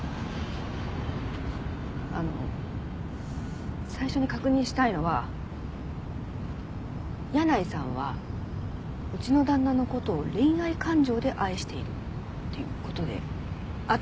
あの最初に確認したいのは箭内さんはうちの旦那の事を恋愛感情で愛しているっていう事で合ってます？